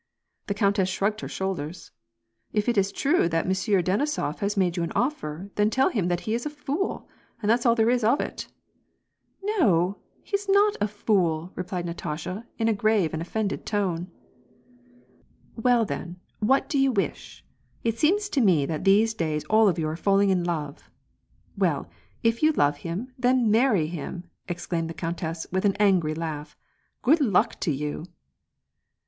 " The countess shrugged her shoulders: ''If it is true that Monsieur Denisof has made you an offer, then tell him that he is a fool, and that's all there is of it !"" No, he is not a fool," replied Natasha, in a grave and of fended tone. " Well then, what do you wish ? It seems to me that these days all of you are falling in love. Well, if you love him, then marry him," exclaimed the countess, with an angry laagh. " Grood luck to you